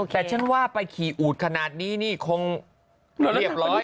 แต่ฉันว่าไปขี่อูดขนาดนี้นี่คงเรียบร้อย